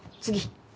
次。